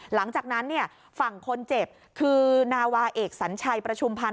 หลังจากนั้นฝั่งคนเจ็บคือนาวาเอกสัญชัยประชุมพันธ